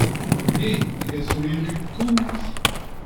Me hag a zo erru kozh…